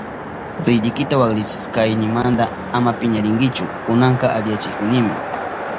Ridikita waklichishkaynimanta ama piñarinkichu, kunanka alichahunimi.